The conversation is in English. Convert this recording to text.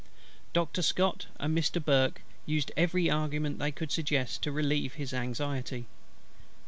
Doctor SCOTT and Mr. BURKE used every argument they could suggest, to relieve his anxiety.